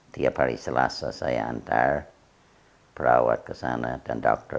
diapari selasa saya antar perawat ke sana dan dokter